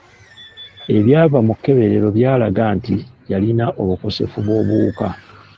Ebyava mu kkeberero byalaga nti yalina obukosefu bw'obuwuka.